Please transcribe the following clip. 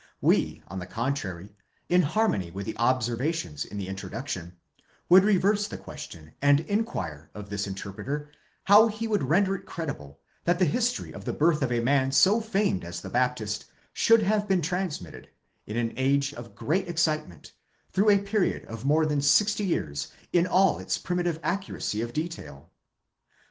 * We, on the contrary, in harmony with the observations in the introduction, would reverse the question and inquire of this interpreter, how he would render it credible, that the history of the birth of a man so famed as the Baptist should have been transmitted, in an age of great excitement, through a period of more than sixty years, in all its primitive accuracy of detail?